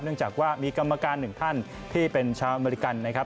จากว่ามีกรรมการหนึ่งท่านที่เป็นชาวอเมริกันนะครับ